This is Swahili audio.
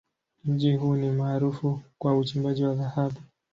Mji huu ni maarufu kwa uchimbaji wa dhahabu.